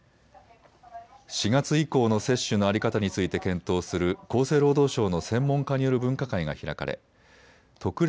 ４月以降の接種の在り方について検討する厚生労働省の専門家による分科会が開かれ特例